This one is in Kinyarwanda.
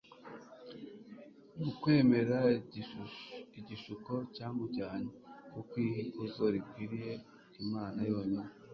ni ukwemerera igishuko cyamujyanye ku kwiha ikuzo rikwiriye imana yonyine